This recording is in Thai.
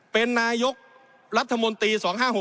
เป็นนายกรัฐมนตรี๒๕๖๖